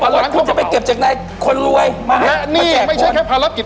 พลักษณ์คุณจะไปเก็บจากไหนคนรวยมาและนี่ไม่ใช่แค่ภารกิจ